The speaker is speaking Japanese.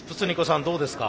さんどうですか？